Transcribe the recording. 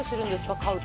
買うと。